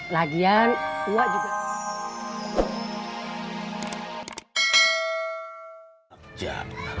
lagian wak juga